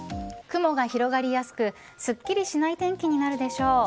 雲が広がりやすくすっきりしない天気になるでしょう。